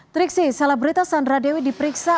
triksi salah berita sandra dewi diperiksa